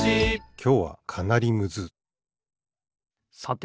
きょうはかなりむずさて